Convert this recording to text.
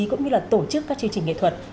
cũng như tổ chức các chương trình nghệ thuật